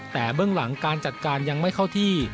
แต่เบื้องหลังการจัดการยังไม่เข้าที่